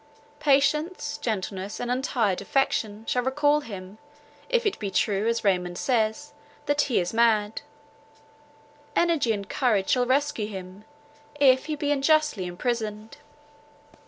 Patience, gentleness, and untired affection, shall recall him, if it be true, as Raymond says, that he is mad; energy and courage shall rescue him, if he be unjustly imprisoned.